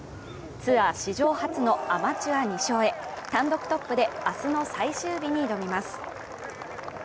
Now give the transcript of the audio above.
ツアー史上初のアマチュア２勝へ、単独トップで、明日の最終日に挑みます。